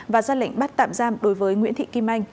và ra lệnh bắt tạm giam đối với nguyễn thị kim anh